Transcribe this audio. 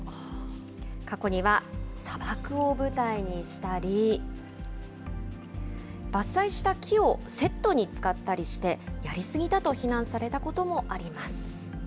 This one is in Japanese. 過去には、砂漠を舞台にしたり、伐採した木をセットに使ったりして、やり過ぎだと非難されたこともあります。